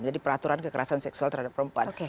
jadi peraturan kekerasan seksual terhadap perempuan